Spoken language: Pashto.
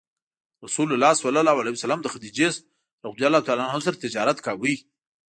رسول الله ﷺ د خدیجې رض سره تجارت کاوه.